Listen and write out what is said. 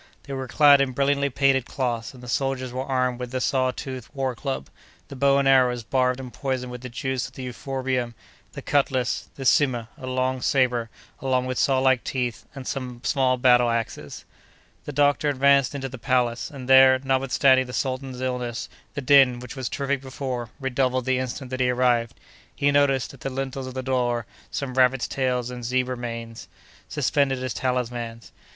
They were clad in brilliantly painted cloths, and the soldiers were armed with the saw toothed war club, the bow and arrows barbed and poisoned with the juice of the euphorbium, the cutlass, the "sima," a long sabre (also with saw like teeth), and some small battle axes. The doctor advanced into the palace, and there, notwithstanding the sultan's illness, the din, which was terrific before, redoubled the instant that he arrived. He noticed, at the lintels of the door, some rabbits' tails and zebras' manes, suspended as talismans.